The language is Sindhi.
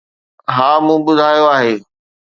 ھا مون ٻُڌايو آھي.